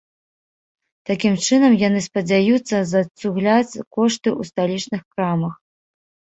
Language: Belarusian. Такім чынам яны спадзяюцца зацугляць кошты ў сталічных крамах.